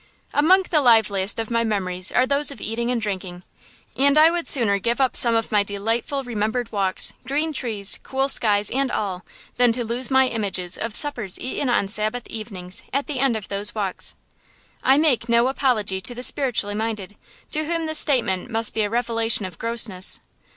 Among the liveliest of my memories are those of eating and drinking; and I would sooner give up some of my delightful remembered walks, green trees, cool skies, and all, than to lose my images of suppers eaten on Sabbath evenings at the end of those walks. I make no apology to the spiritually minded, to whom this statement must be a revelation of grossness.